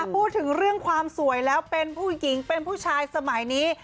พูดถึงเรื่องความสวยแล้วเป็นผู้หญิงเป็นผู้ชายสมัยนี้